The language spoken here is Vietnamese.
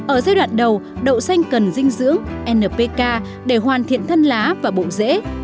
ở giai đoạn đầu đậu xanh cần dinh dưỡng npk để hoàn thiện thân lá và bộ dễ